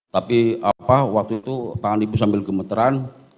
tapi apa waktu itu tangan ibu sambil gemeteran